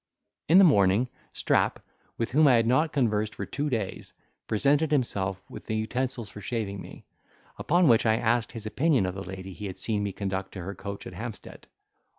In the morning, Strap, with whom I had not conversed for two days, presented himself with the utensils for shaving me; upon which, I asked his opinion of the lady he had seen me conduct to her coach at Hampstead.